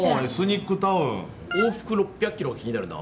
「往復６００キロ」が気になるな。